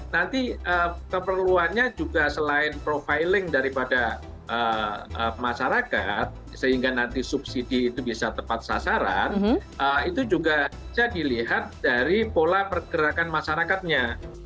nanti keperluannya juga selain profiling daripada masyarakat sehingga nanti subsidi itu bisa tepat sasaran itu juga bisa dilihat dari pola pergerakan masyarakatnya